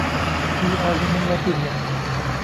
Wî alî min nekiriye.